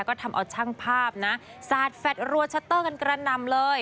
ก็ทำเอาช่างภาพนะสาดแฟทรัวชัตเตอร์กันกระนำเลย